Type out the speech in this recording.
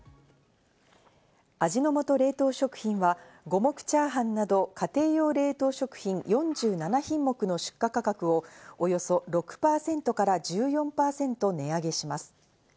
味の素冷凍食品は五目炒飯など家庭用冷凍食品４７品目の出荷価格をおよそ６％から１４％値上げします。